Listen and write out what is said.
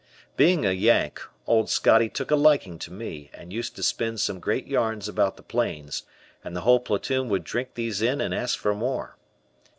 Being a Yank, Old Scotty took a liking to me and used to spin some great yams about the plains, and the whole platoon would drink these in and ask for more.